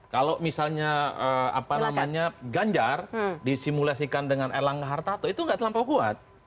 kalau misalnya ganjar disimulasikan dengan erlangga hartarto itu nggak terlampau kuat